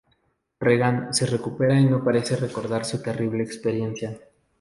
Regan se recupera y no parece recordar su terrible experiencia.